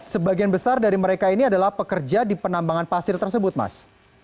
sebagian besar dari mereka ini adalah pekerja di penambangan pasir tersebut mas